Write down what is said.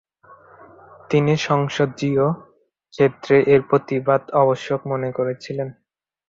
তিনি সংসদযিও ক্ষেত্রে এর প্রতিবাদ আবশ্যক মনে করেছিলেন।